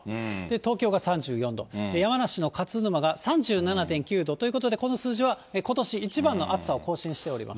東京が３４度、山梨の勝沼が３７．９度ということで、この数字は、ことし一番の暑さを更新しております。